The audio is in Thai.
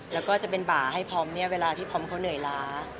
แล้วก็จะเป็นบ่าให้พร้อมเนี่ยเวลาที่พร้อมเขาเหนื่อยล้า